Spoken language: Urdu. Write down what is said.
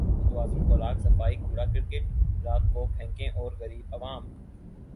متوازن خوراک صفائی کوڑا کرکٹ رات کو پھینکیں اور غریب عوام